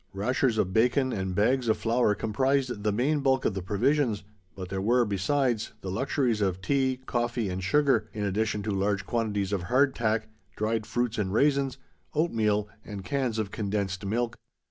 Rashers of bacon and bags of flour comprised the main bulk of the provisions, but there were, besides, the luxuries of tea, coffee, and sugar, in addition to large quantities of hard tack, dried fruits and raisins, oatmeal, and cans of condensed milk.